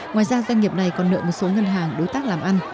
ngoài ra doanh nghiệp này còn nợ một số ngân hàng đối tác làm ăn